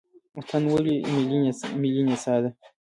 اتن ولې ملي نڅا ده؟